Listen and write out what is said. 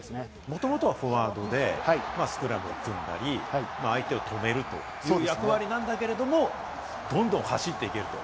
もともとはフォワードで、スクラムについたり、相手を止めるという役割なんだけれども、どんどん走っていけると。